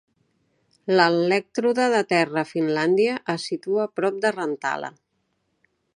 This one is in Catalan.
L'elèctrode de terra a Finlàndia es situa prop de Rantala.